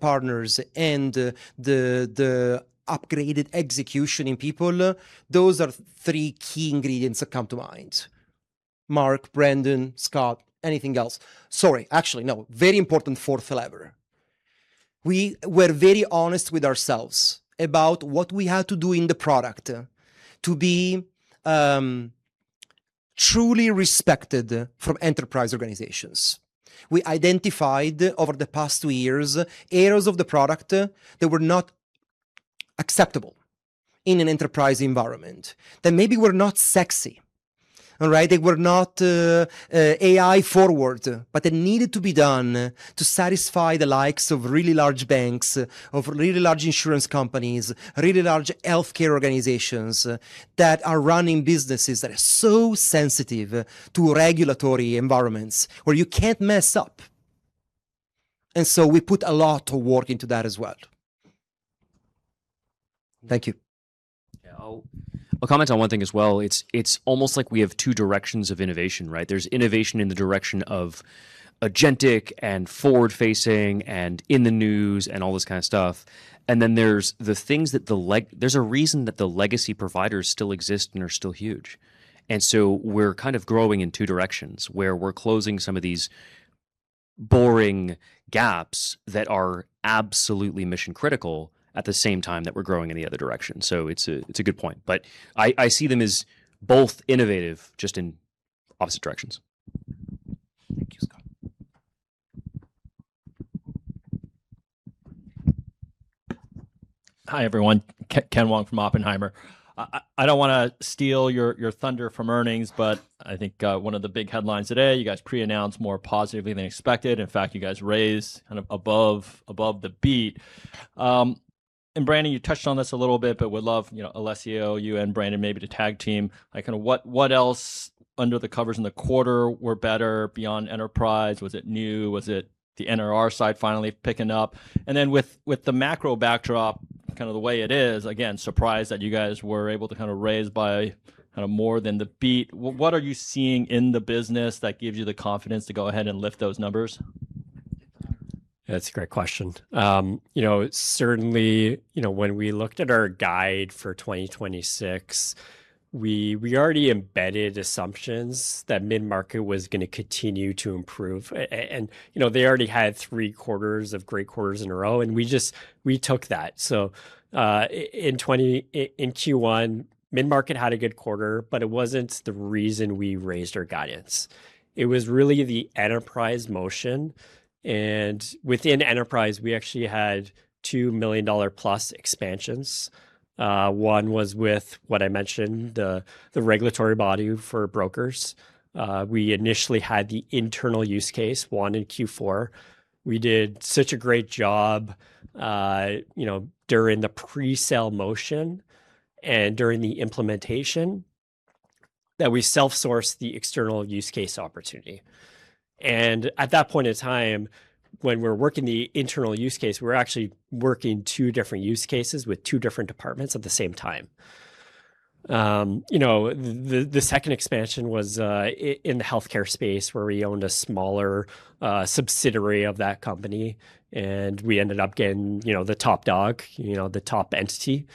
partners, and the upgraded execution in people, those are three key ingredients that come to mind. Mark, Brandon, Scott, anything else? Sorry. Actually, no. Very important fourth lever. We were very honest with ourselves about what we had to do in the product to be truly respected from enterprise organizations. We identified over the past two years, errors of the product that were not acceptable in an enterprise environment, that maybe were not sexy. All right? They were not AI forward, but it needed to be done to satisfy the likes of really large banks, of really large insurance companies, really large healthcare organizations that are running businesses that are so sensitive to regulatory environments where you can't mess up. We put a lot of work into that as well. Thank you. Yeah. I'll comment on one thing as well. It's almost like we have two directions of innovation, right? There's innovation in the direction of agentic and forward-facing and in the news and all this kind of stuff. There's a reason that the legacy providers still exist and are still huge. We're kind of growing in two directions, where we're closing some of these boring gaps that are absolutely mission-critical at the same time that we're growing in the other direction. It's a good point, but I see them as both innovative, just in opposite directions. Thank you, Scott. Hi, everyone. Ken Wong from Oppenheimer. I don't want to steal your thunder from earnings, but I think one of the big headlines today, you guys pre-announced more positively than expected. In fact, you guys raised above the beat. Brandon, you touched on this a little bit, but would love Alessio, you and Brandon maybe to tag team. What else under the covers in the quarter were better beyond enterprise? Was it new? Was it the NRR side finally picking up? With the macro backdrop, kind of the way it is, again, surprised that you guys were able to raise by more than the beat. What are you seeing in the business that gives you the confidence to go ahead and lift those numbers? That's a great question. Certainly, when we looked at our guidance for 2026, we already embedded assumptions that mid-market was going to continue to improve. They already had three quarters of great quarters in a row, and we took that. In Q1, mid-market had a good quarter, but it wasn't the reason we raised our guidance. It was really the enterprise motion, and within enterprise, we actually had $2 million+ expansions. One was with what I mentioned, the regulatory body for brokers. We initially had the internal use case won in Q4. We did such a great job during the pre-sale motion and during the implementation that we self-sourced the external use case opportunity. At that point in time, when we're working the internal use case, we're actually working two different use cases with two different departments at the same time. The second expansion was in the healthcare space where we owned a smaller subsidiary of that company, and we ended up getting the top dog, the top entity.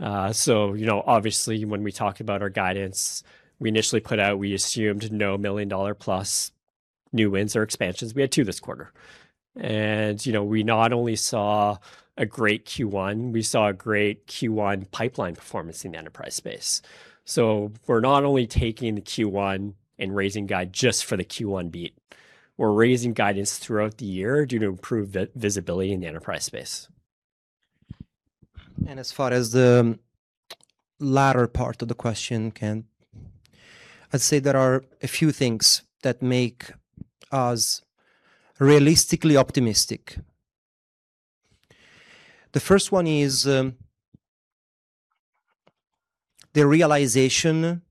Obviously, when we talk about our guidance, we initially put out, we assumed no million-dollar-plus new wins or expansions. We had two this quarter. We not only saw a great Q1, we saw a great Q1 pipeline performance in the enterprise space. We're not only taking the Q1 and raising guide just for the Q1 beat. We're raising guidance throughout the year due to improved visibility in the enterprise space. As far as the latter part of the question, Ken, I'd say there are a few things that make us realistically optimistic. The first one is the realization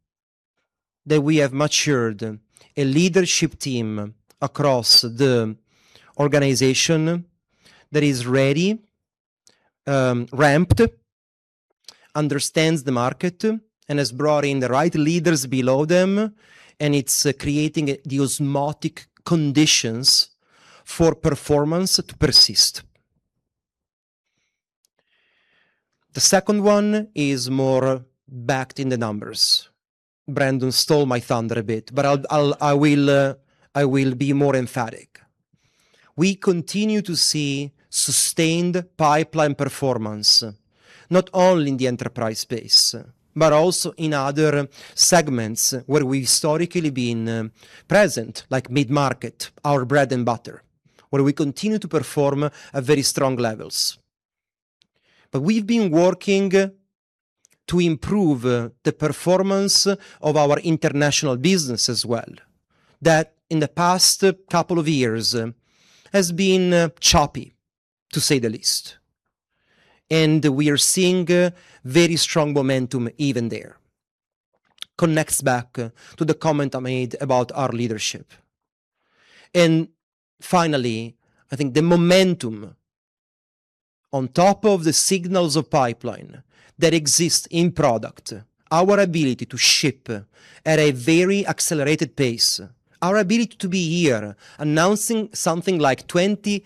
that we have matured a leadership team across the organization that is ready, ramped, understands the market, and has brought in the right leaders below them, and it's creating the osmotic conditions for performance to persist. The second one is more backed in the numbers. Brandon stole my thunder a bit, but I will be more emphatic. We continue to see sustained pipeline performance, not only in the enterprise space, but also in other segments where we've historically been present, like mid-market, our bread and butter, where we continue to perform at very strong levels. We've been working to improve the performance of our international business as well, that in the past couple of years has been choppy, to say the least. We are seeing very strong momentum even there. Connects back to the comment I made about our leadership. Finally, I think the momentum on top of the signals of pipeline that exists in product, our ability to ship at a very accelerated pace, our ability to be here announcing something like 20+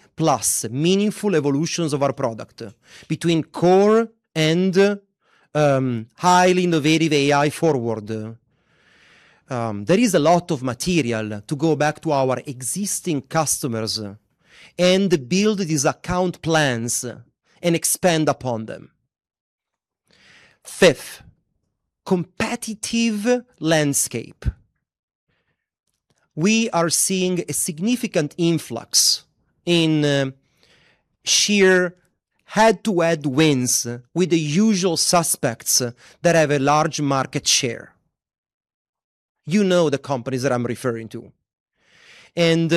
meaningful evolutions of our product between core and highly innovative AI forward. There is a lot of material to go back to our existing customers and build these account plans and expand upon them. Fifth, competitive landscape. We are seeing a significant influx in sheer head-to-head wins with the usual suspects that have a large market share. You know the companies that I'm referring to. We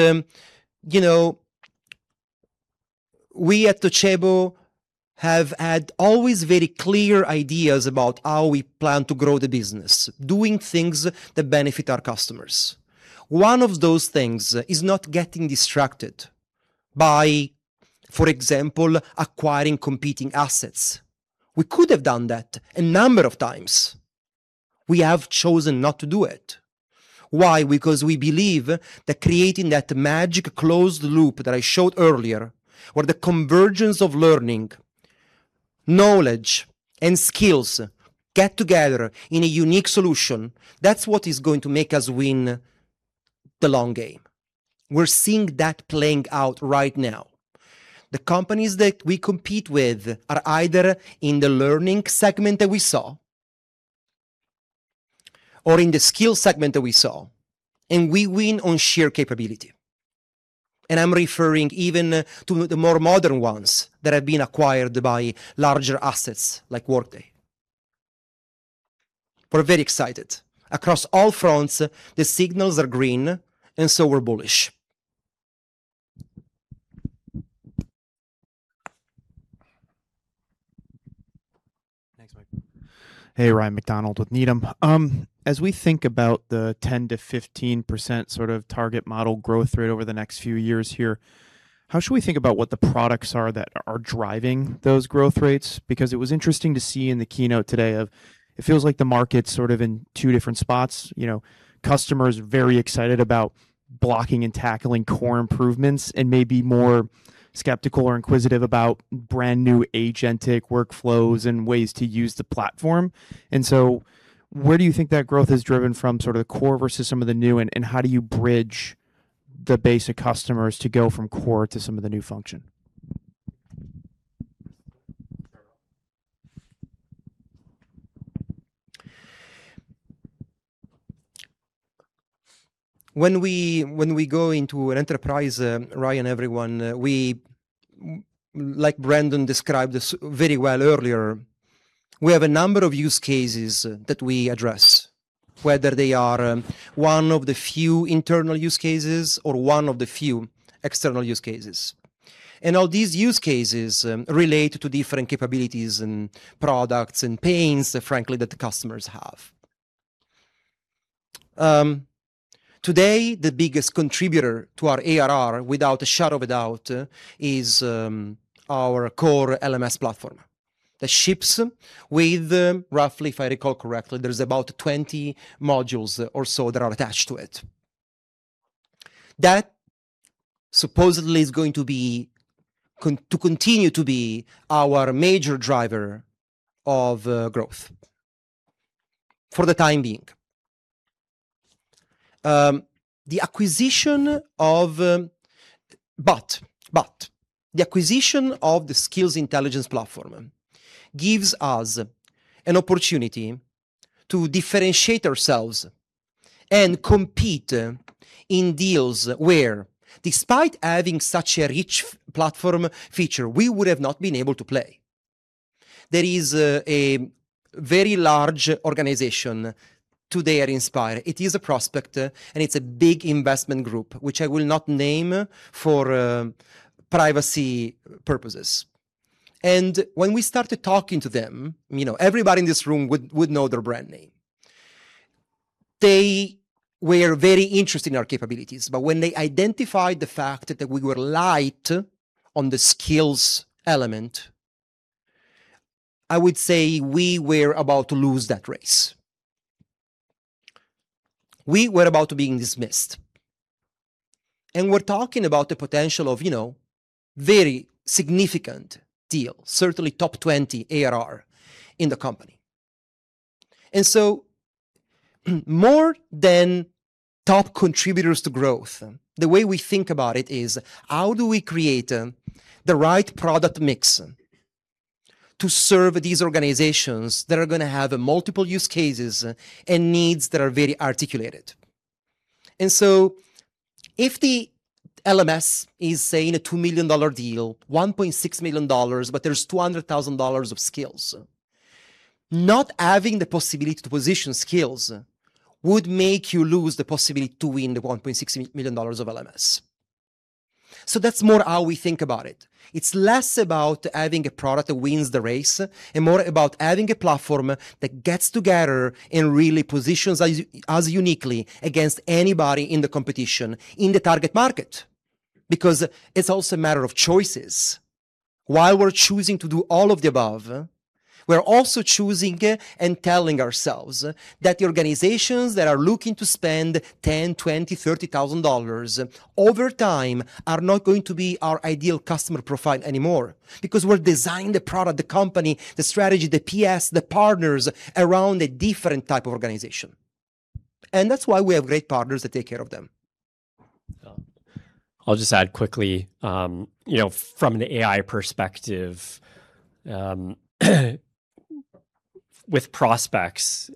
at Docebo have had always very clear ideas about how we plan to grow the business, doing things that benefit our customers. One of those things is not getting distracted by, for example, acquiring competing assets. We could have done that a number of times. We have chosen not to do it. Why? Because we believe that creating that magic closed loop that I showed earlier, where the convergence of learning, knowledge, and skills get together in a unique solution, that's what is going to make us win the long game. We're seeing that playing out right now. The companies that we compete with are either in the learning segment that we saw or in the skill segment that we saw, and we win on sheer capability. I'm referring even to the more modern ones that have been acquired by larger assets like Workday. We're very excited. Across all fronts, the signals are green, and so we're bullish. Thanks, Mike. Hey, Ryan MacDonald with Needham. As we think about the 10%-15% sort of target model growth rate over the next few years here, how should we think about what the products are that are driving those growth rates? Because it was interesting to see in the keynote today, it feels like the market's sort of in two different spots. Customers very excited about blocking and tackling core improvements and maybe more skeptical or inquisitive about brand-new agentic workflows and ways to use the platform. Where do you think that growth is driven from, sort of the core versus some of the new, and how do you bridge the base of customers to go from core to some of the new function? When we go into an enterprise, Ryan, everyone, we, like Brandon described this very well earlier, we have a number of use cases that we address, whether they are one of the few internal use cases or one of the few external use cases. All these use cases relate to different capabilities and products and pains, frankly, that the customers have. Today, the biggest contributor to our ARR, without a shadow of a doubt, is our core LMS platform that ships with, roughly if I recall correctly, there's about 20 modules or so that are attached to it. That supposedly is going to continue to be our major driver of growth for the time being. The acquisition of the skills intelligence platform gives us an opportunity to differentiate ourselves and compete in deals where, despite having such a rich platform feature, we would have not been able to play. There is a very large organization today at Inspire. It is a prospect, and it's a big investment group, which I will not name for privacy purposes. When we started talking to them, everybody in this room would know their brand name. They were very interested in our capabilities, but when they identified the fact that we were light on the skills element, I would say we were about to lose that race. We were about to be dismissed. We're talking about the potential of a very significant deal, certainly top 20 ARR in the company. More than top contributors to growth, the way we think about it is how do we create the right product mix to serve these organizations that are going to have multiple use cases and needs that are very articulated. If the LMS is saying a $2 million deal, $1.6 million, but there's $200,000 of skills, not having the possibility to position skills would make you lose the possibility to win the $1.6 million of LMS. That's more how we think about it. It's less about having a product that wins the race and more about having a platform that gets together and really positions us uniquely against anybody in the competition in the target market, because it's also a matter of choices. While we're choosing to do all of the above, we're also choosing and telling ourselves that the organizations that are looking to spend $10,000, $20,000, $30,000 over time are not going to be our ideal customer profile anymore because we're designing the product, the company, the strategy, the PS, the partners around a different type of organization. That's why we have great partners that take care of them. I'll just add quickly from an AI perspective, with prospects,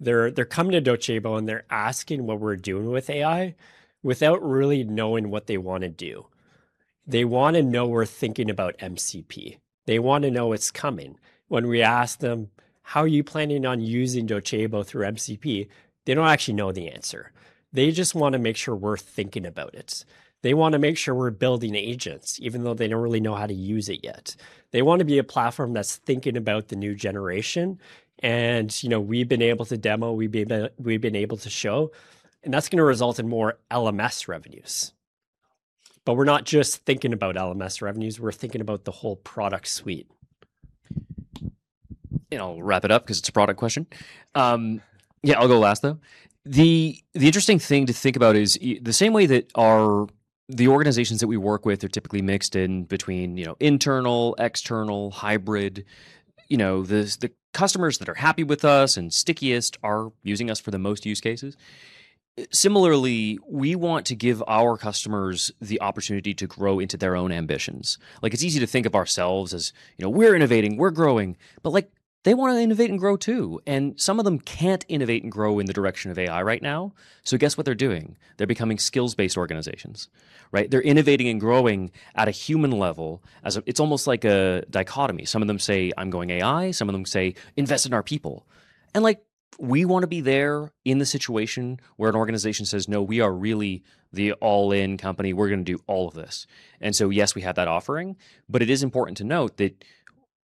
they're coming to Docebo, and they're asking what we're doing with AI without really knowing what they want to do. They want to know we're thinking about MCP. They want to know it's coming. When we ask them, "How are you planning on using Docebo through MCP?" They don't actually know the answer. They just want to make sure we're thinking about it. They want to make sure we're building agents, even though they don't really know how to use it yet. They want to be a platform that's thinking about the new generation, and we've been able to demo, we've been able to show, and that's going to result in more LMS revenues. But we're not just thinking about LMS revenues. We're thinking about the whole product suite. I'll wrap it up because it's a product question. Yeah, I'll go last, though. The interesting thing to think about is the same way that the organizations that we work with are typically mixed in between internal, external, hybrid. The customers that are happy with us and stickiest are using us for the most use cases. Similarly, we want to give our customers the opportunity to grow into their own ambitions. It's easy to think of ourselves as we're innovating, we're growing, but they want to innovate and grow, too. Some of them can't innovate and grow in the direction of AI right now. Guess what they're doing? They're becoming skills-based organizations. They're innovating and growing at a human level. It's almost like a dichotomy. Some of them say, "I'm going AI." Some of them say, "Invest in our people." We want to be there in the situation where an organization says, "No, we are really the all-in company. We're going to do all of this." Yes, we have that offering. It is important to note that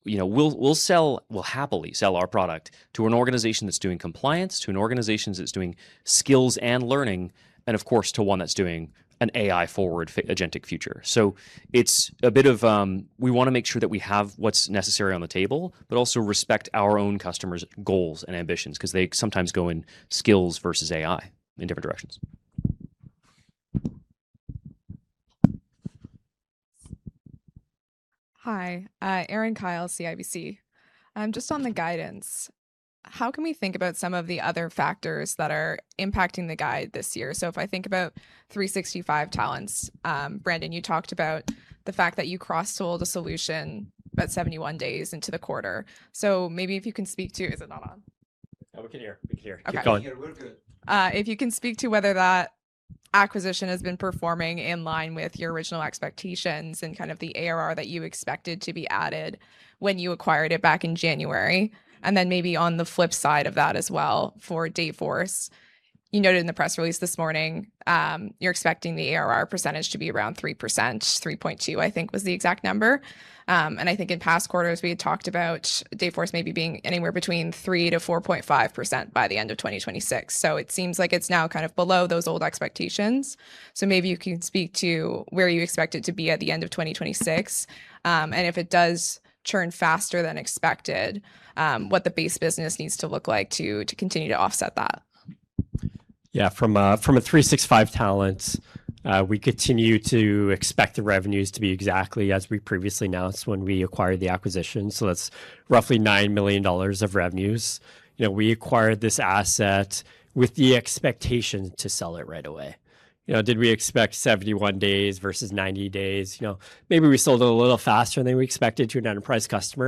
we'll happily sell our product to an organization that's doing compliance, to an organization that's doing skills and learning, and of course, to one that's doing an AI-forward agentic future. It's a bit of we want to make sure that we have what's necessary on the table, but also respect our own customers' goals and ambitions because they sometimes go in skills versus AI in different directions. Hi. Erin Kyle, CIBC. Just on the guidance, how can we think about some of the other factors that are impacting the guide this year? If I think about 365Talents, Brandon, you talked about the fact that you cross-sold a solution about 71 days into the quarter. Maybe if you can speak to. Is it not on? No, we can hear. Keep going. We can hear. We're good. If you can speak to whether that acquisition has been performing in line with your original expectations and kind of the ARR that you expected to be added when you acquired it back in January? Maybe on the flip side of that as well, for Dayforce, you noted in the press release this morning, you're expecting the ARR percentage to be around 3%, 3.2%, I think was the exact number. I think in past quarters, we had talked about Dayforce maybe being anywhere between 3%-4.5% by the end of 2026. It seems like it's now kind of below those old expectations. Maybe you can speak to where you expect it to be at the end of 2026. If it does churn faster than expected, what the base business needs to look like to continue to offset that. Yeah. From 365Talents, we continue to expect the revenues to be exactly as we previously announced when we acquired the acquisition. So that's roughly $9 million of revenues. We acquired this asset with the expectation to sell it right away. Did we expect 71 days versus 90 days? Maybe we sold it a little faster than we expected to an enterprise customer.